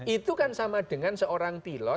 itu kan sama dengan seorang pilot